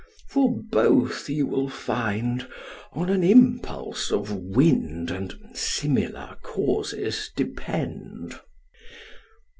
For both, you will find, on an impulse of wind and similar causes depend.